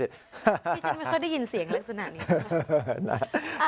ที่ฉันไม่ค่อยได้ยินเสียงลักษณะนี้